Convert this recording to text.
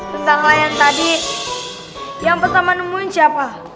tentang layan tadi yang pertama nemuin siapa